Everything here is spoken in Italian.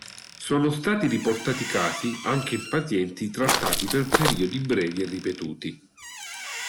Sono stati riportati casi anche in pazienti trattati per periodi brevi e ripetuti.